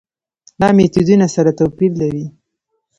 دا میتودونه سره توپیر لري.